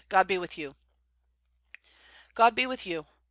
"God be with you!" "God be with you!